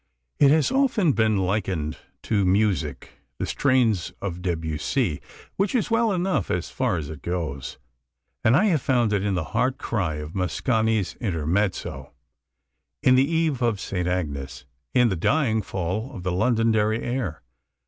It has often been likened to music, the strains of Debussy, which is well enough, as far as it goes, and I have found it in the heart cry of Mascagni's "Intermezzo," in the "Eve of St. Agnes," in the dying fall of the "Londonderry Air."